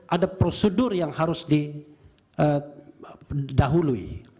ada prosedur yang harus didahului